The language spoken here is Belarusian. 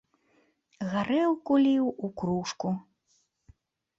Гарэлку ліў у кружку!